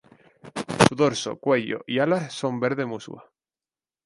Su dorso, cuello y alas son verde musgo.